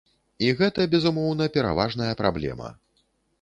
І гэта, безумоўна, пераважная праблема.